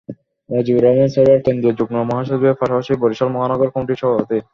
মজিবুর রহমান সরোয়ার কেন্দ্রীয় যুগ্ম মহাসচিবের পাশাপাশি বরিশাল মহানগর কমিটির সভাপতি।